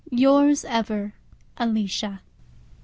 Yours ever, ALICIA.